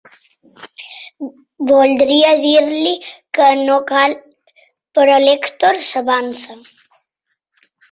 Voldria dir-li que no cal, però l'Èctor s'avança.